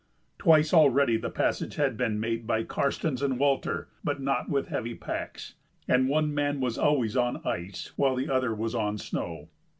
Twice already the passage had been made by Karstens and Walter, but not with heavy packs, and one man was always on ice while the other was on snow.